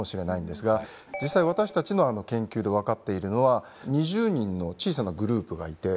実際私たちの研究で分かっているのは２０人の小さなグループがいて。